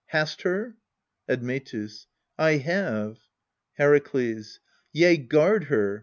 Hast her ? Admetus. 1 have. Herakles. Yea, guard her.